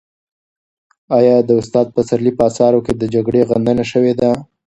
آیا د استاد پسرلي په اثارو کې د جګړې غندنه شوې ده؟